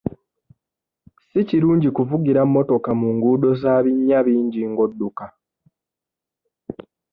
Si kirungi kuvugira mmotoka mu nguudo za binnya bingi ng'odduka.